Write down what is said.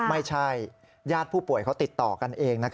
ไม่ใช่ญาติผู้ป่วยเขาติดต่อกันเอง